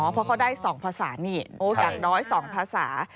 เพราะเขาได้๒ภาษานี่อย่างน้อย๒ภาษา